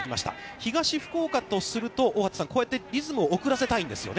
東福岡とすると、大畑さん、リズムをおくらせたいんですよね。